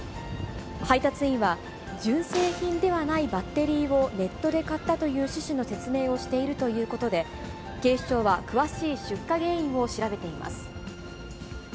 配達員は、純正品ではないバッテリーをネットで買ったという趣旨の説明をしているということで、警視庁は詳しい出火原因を調べています。